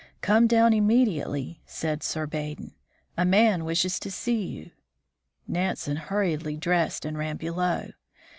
"Come down immediately," said Sir Baden ; "a man wishes to see you." Nansen hurriedly dressed and ran below.